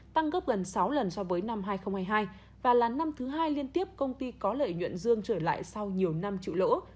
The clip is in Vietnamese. tăng gấp gần sáu lần so với năm hai nghìn hai mươi hai và là năm thứ hai liên tiếp công ty có lợi nhuận dương trở lại sau nhiều năm trụ lỗ